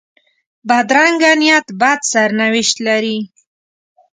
بدرنګه نیت بد سرنوشت لري